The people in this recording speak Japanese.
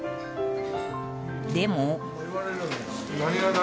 でも。